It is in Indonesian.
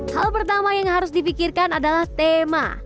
hal pertama yang harus dipikirkan adalah tema